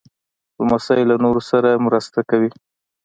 لمسی له نورو سره مرسته کوي.